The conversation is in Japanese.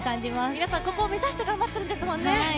皆さん、ここを目指して頑張っているんですもんね。